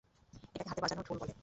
এটাকে হাতে বাজানোর ঢোল বলে।